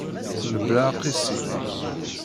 Mebla aqisi.